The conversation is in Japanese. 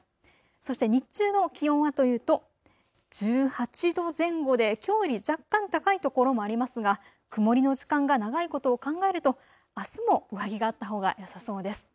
そして日中の気温はというと１８度前後できょうより若干高い所もありますが曇りの時間が長いことを考えると、あすも上着があったほうがよさそうです。